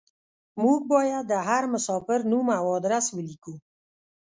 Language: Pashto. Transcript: موږ بايد د هر مساپر نوم او ادرس وليکو.